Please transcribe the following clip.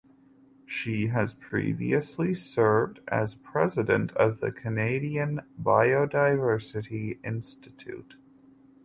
She has previously served as president of the Canadian Biodiversity Institute.